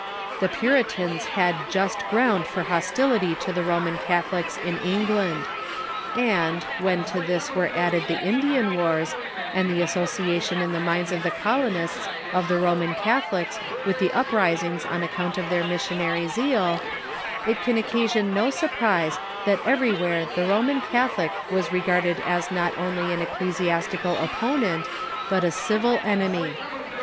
The Puritans had just ground for hostility to the Roman Catho lics in England ; and, when to this were added the Indian wars, and the association in the minds of the colonists of the Roman Catholics with the uprisings on account of their missionary zeal, it can occasion no surprise that everywhere the Roman Catholic was regarded as not only an ecclesiastical opponent, but a civil enemy.